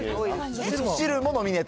みそ汁もノミネート？